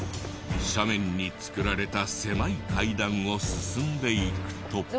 斜面に作られた狭い階段を進んでいくと。